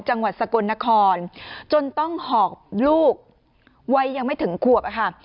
จังหวัดสกลนครจนต้องหอบลูกวัยยังไม่ถึงขวบอะค่ะ